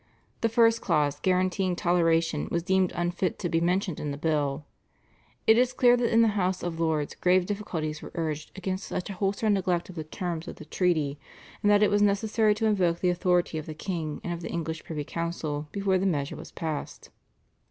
The first clause guaranteeing toleration was deemed unfit to be mentioned in the bill. It is clear that in the House of Lords grave difficulties were urged against such a wholesale neglect of the terms of the treaty, and that it was necessary to invoke the authority of the king and of the English privy council before the measure was passed.